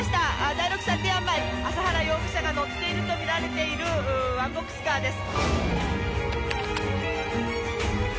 第６サティアン前麻原容疑者が乗っているとみられているワンボックスカーです。